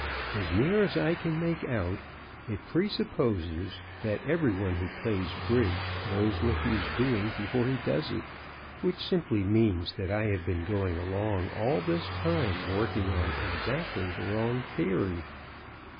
As near as I can make out, it presupposes that every one who plays bridge knows what he is doing before he does it, which simply means that I have been going along all this time working on exactly the wrong theory.